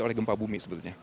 oleh gempa bumi sebetulnya